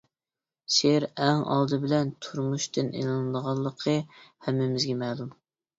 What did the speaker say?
شېئىر ئەڭ ئالدى بىلەن تۇرمۇشتىن ئېلىنىدىغانلىقى ھەممىمىزگە مەلۇم.